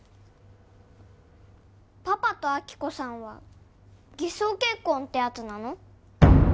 パパと亜希子さんはギソウケッコンってやつなの？